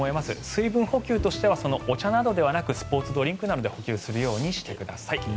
水分補給としてはお茶などでなくスポーツドリンクなどで補給するようにしてください。